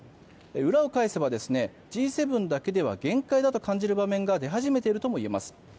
裏を返せばＧ７だけでは限界だともいえる場面が出始めているとも言えます。